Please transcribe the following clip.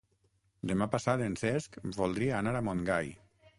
Demà passat en Cesc voldria anar a Montgai.